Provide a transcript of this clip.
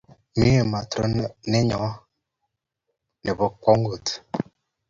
Mye matroninyo ne po kwong'ut